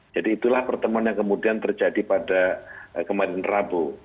jadi itulah pertemuan yang kemudian terjadi pada kemarin rabu